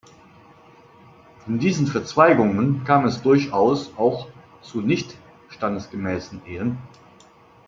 In diesen Verzweigungen kam es durchaus auch zu nicht standesgemäßen Ehen.